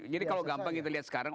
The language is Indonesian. jadi kalau gampang kita lihat sekarang